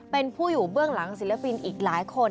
เป็นผู้อยู่เบื้องหลังศิลปินอีกหลายคน